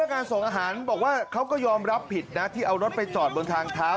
การส่งอาหารบอกว่าเขาก็ยอมรับผิดนะที่เอารถไปจอดบนทางเท้า